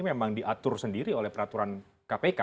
memang diatur sendiri oleh peraturan kpk